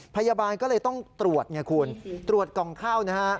พยาบาลก็เลยต้องตรวจไงคุณตรวจกล่องข้าวนะฮะ